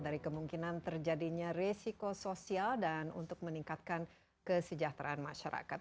dari kemungkinan terjadinya resiko sosial dan untuk meningkatkan kesejahteraan masyarakat